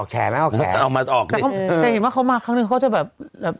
ออกแชร์ไหมออกแชร์เอามาออกเลยแต่เห็นว่าเขามาครั้งหนึ่งเขาจะแบบ